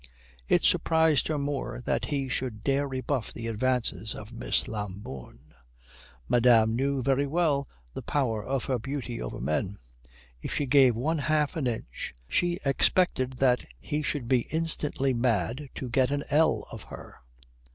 It surprised her more that he should dare rebuff the advances of Miss Lambourne. Madame knew very well the power of her beauty over men. If she gave one half an inch she expected that he should be instantly mad to get an ell of her.